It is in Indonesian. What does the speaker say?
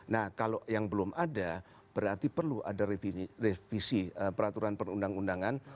nah kalau yang belum ada berarti perlu ada revisi peraturan perundang undangan